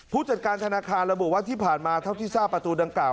ผู้จัดการธนาคารระบุว่าที่ผ่านมาเท่าที่ทราบประตูดังกล่า